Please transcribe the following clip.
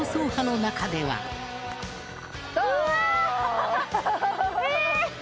うわ！